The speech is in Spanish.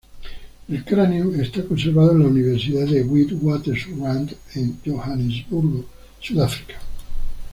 El cráneo está conservado en la Universidad de Witwatersrand en Johannesburgo, Sudáfrica.